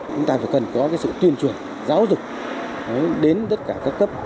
chúng ta phải cần có sự tuyên truyền giáo dục đến tất cả các cấp